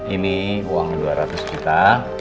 ini uang dua ratus juta